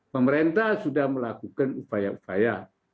pemerintah sudah melakukan upaya upaya